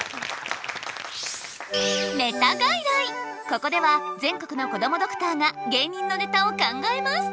ここでは全国のこどもドクターが芸人のネタを考えます！